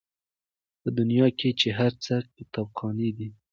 په دنیا کي چي هر څه کتابخانې دي